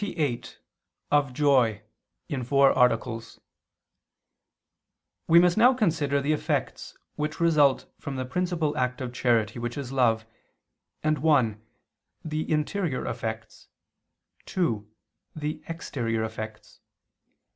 _______________________ QUESTION 28 OF JOY (In Four Articles) We must now consider the effects which result from the principal act of charity which is love, and (1) the interior effects, (2) the exterior effects.